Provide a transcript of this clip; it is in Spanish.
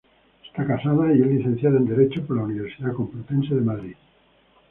Está casada y es licenciada en Derecho por la Universidad Complutense de Madrid.